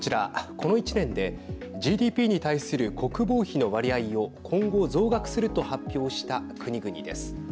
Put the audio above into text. この１年でＧＤＰに対する国防費の割合を今後、増額すると発表した国々です。